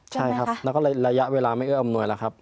ใช่ครับแล้วก็ระยะเวลาไม่เอื้ออำนวยแล้วครับ